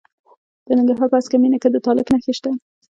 د ننګرهار په هسکه مینه کې د تالک نښې شته.